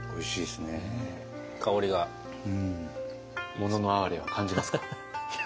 「もののあはれ」は感じますか？